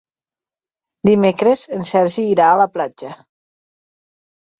Dimecres en Sergi irà a la platja.